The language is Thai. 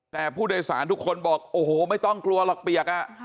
แต่ผู้โดยสารทุกคนบอกโอ้โหไม่ต้องกลัวหรอกเปียก